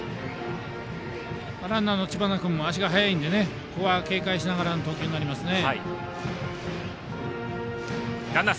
ランナーの知花君も足が速いのでここは警戒しながらの投球になりますね。